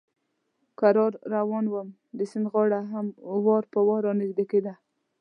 کرار روان ووم، د سیند غاړه هم وار په وار را نږدې کېدل.